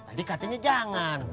tadi katanya jangan